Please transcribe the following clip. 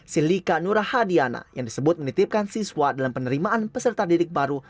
silika nurahadiana yang disebut menitipkan siswa dalam penerimaan peserta didik baru